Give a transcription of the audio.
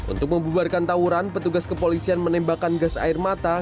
untuk membubarkan tawuran petugas kepolisian menembakkan gas air mata